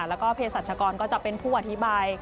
แล้วก็เพศรัชกรก็จะเป็นผู้อธิบาย